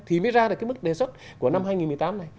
thì mới ra được cái mức đề xuất của năm hai nghìn một mươi tám này